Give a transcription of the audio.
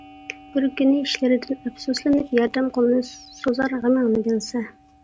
بىر كۈنى ئىشلىرىدىن ئەپسۇسلىنىپ، ياردەم قولىنى سوزار غېمىڭنى بىلسە.